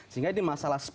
sehingga ini masalah speed